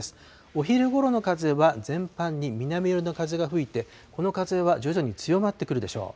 お昼ごろの風は全般に南寄りの風が吹いて、この風は徐々に強まってくるでしょう。